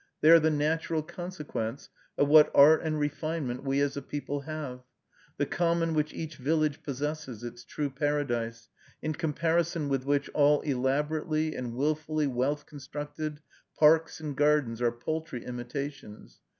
They are the natural consequence of what art and refinement we as a people have, the common which each village possesses, its true paradise, in comparison with which all elaborately and willfully wealth constructed parks and gardens are paltry imitations.